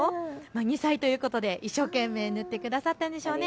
２歳ということで一生懸命塗ってくださったんでしょうね。